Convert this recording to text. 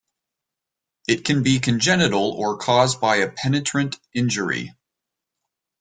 It can be congenital or caused by a penetrant injury.